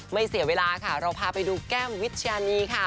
เสียเวลาค่ะเราพาไปดูแก้มวิชญานีค่ะ